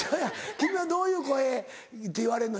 君はどういう声って言われるの？